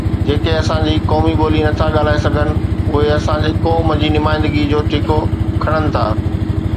جيڪي اسان جي قومي ٻولي نٿا ڳالهائي سگهن، اهي اسان جي قوم جي نمائندگيءَ جو ٺيڪو کڻن ٿا.